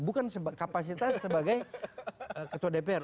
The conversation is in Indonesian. bukan kapasitas sebagai ketua dpr